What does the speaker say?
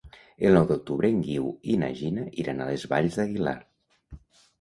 El nou d'octubre en Guiu i na Gina iran a les Valls d'Aguilar.